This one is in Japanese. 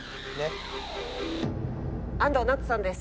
安藤なつさんです。